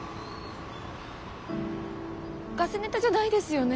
ガセネタじゃないですよね。